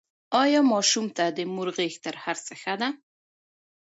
ایا ماشوم ته د مور غېږ تر هر څه ښه ده؟